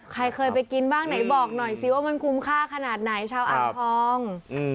ใครเคยไปกินบ้างไหนบอกหน่อยสิว่ามันคุ้มค่าขนาดไหนชาวอ่างทอง